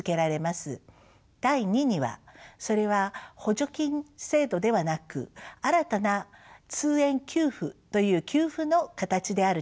第２にはそれは補助金制度ではなく新たな通園給付という給付の形である点です。